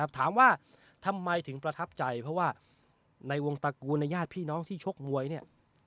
ถามว่าทำไมถึงประทับใจเพราะว่าในวงตระกูลในญาติพี่น้องที่ชกมวยเนี่ย